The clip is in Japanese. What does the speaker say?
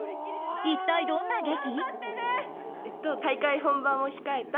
一体どんな劇？